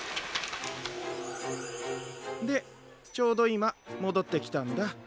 でちょうどいまもどってきたんだ。